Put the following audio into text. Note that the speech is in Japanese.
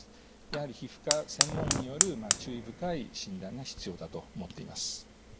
やはり皮膚科専門医による注意深い診断が必要だと思っています。